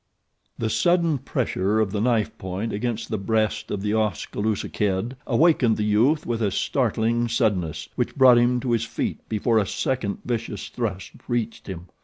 The sudden pressure of the knife point against the breast of the Oskaloosa Kid awakened the youth with a startling suddenness which brought him to his feet before a second vicious thrust reached him.